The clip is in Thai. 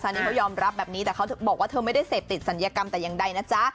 อันนี้เขายอมรับแบบนี้แต่เขาบอกว่าเธอไม่ได้เสพติดศัลยกรรมแต่อย่างใดนะจ๊ะ